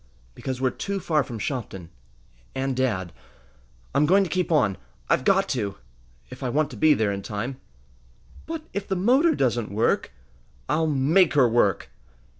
"Because we're too far from Shopton and dad! I'm going to keep on. I've got to if I want to be there in time!" "But if the motor doesn't work?" "I'll make her work!"